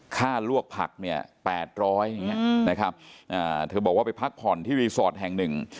ลวกผักเนี่ย๘๐๐อย่างนี้นะครับเธอบอกว่าไปพักผ่อนที่รีสอร์ทแห่งหนึ่ง